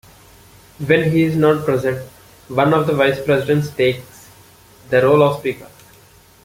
When he is not present, one of the vice-presidents takes the role of speaker.